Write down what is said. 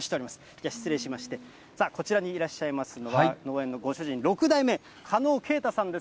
じゃあ、失礼しまして、こちらにいらっしゃいますのは、農園のご主人、６代目、加納慶太さんです。